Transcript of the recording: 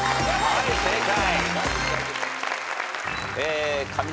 はい正解。